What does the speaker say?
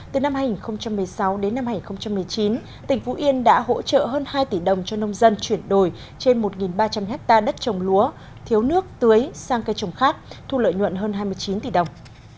từ năm hai nghìn một mươi sáu đến năm hai nghìn một mươi chín tỉnh vũ yên đã hỗ trợ hơn hai tỷ đồng cho nông dân chuyển đổi trên một ba trăm linh hectare đất trồng lúa thiếu nước tưới sang cây trồng khác thu lợi nhuận hơn hai mươi chín tỷ đồng